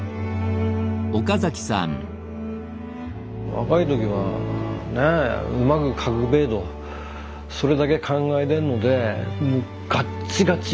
若い時はねえ。うまく描くべえとそれだけ考えてるのでもうガッチガチ。